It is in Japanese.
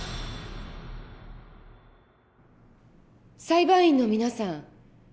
裁判員の皆さん